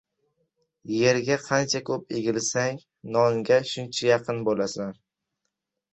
• Yerga qancha ko‘p egilsang, nonga shuncha yaqin bo‘lasan.